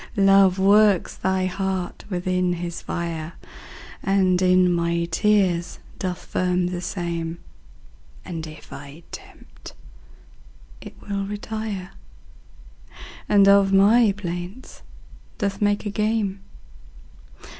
Love works thy heart within his fire, And in my tears doth firm the same; And if I tempt, it will retire, And of my plaints doth make a game.